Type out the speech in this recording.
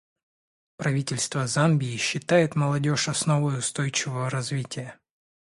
Правительство Замбии считает молодежь основой устойчивого развития.